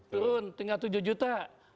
turun tinggal tujuh juta